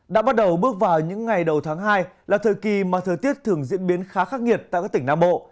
đã bắt đầu bước vào những ngày đầu tháng hai là thời kỳ mà thời tiết thường diễn biến khá khắc nghiệt tại các tỉnh nam bộ